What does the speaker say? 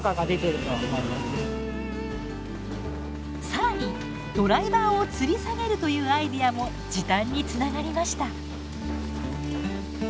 更にドライバーをつり下げるというアイデアも時短につながりました。